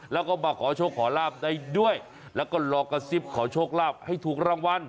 แล้วมาขอโชคหร่าบได้ด้วยและก็รอกสิบขอโชคหร่าบให้รางวัล